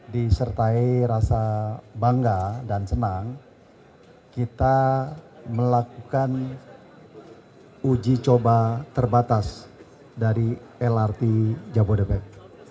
disertai rasa bangga dan senang kita melakukan uji coba terbatas dari lrt jabodebek